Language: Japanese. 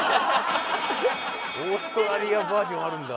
オーストラリアバージョンあるんだ。